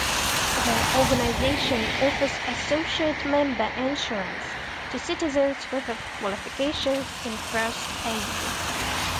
The organisation offers associate member insurance to citizens who have qualifications in First Aid.